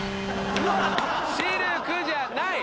「シルク」じゃない！